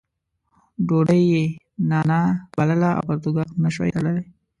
ډوډۍ یې نانا بلله او پرتوګاښ نه شوای تړلی.